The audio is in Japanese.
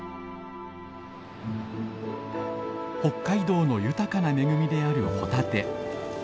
北海道の豊かな恵みであるホタテ。